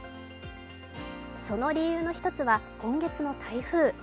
その理由の一つは今月の台風。